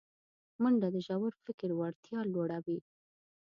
منډه د ژور فکر وړتیا لوړوي